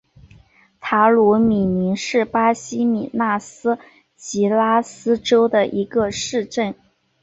塔鲁米林是巴西米纳斯吉拉斯州的一个市镇。